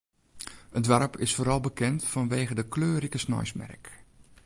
It doarp is foaral bekend fanwege de kleurrike sneinsmerk.